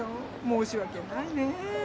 申しわけないね。